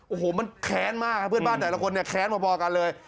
โอ้โหมันแค้นมากครับเพื่อนบ้านแต่ละคนเนี่ยแค้นพอกันเลย